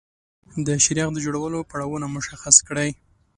د شیریخ د جوړولو پړاوونه مشخص کړئ.